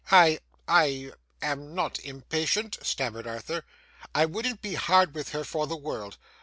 'I I am not impatient,' stammered Arthur. 'I wouldn't be hard with her for the world.